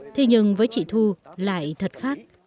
thế nhưng với chị thu lại thật khác